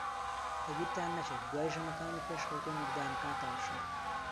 لەبیرتان نەچێت دوای ژەمەکان و پێش خەوتن ددانەکانتان بشۆن.